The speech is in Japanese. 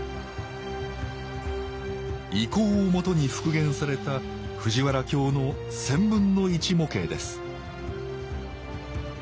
遺構を基に復元された藤原京の１０００分の１模型です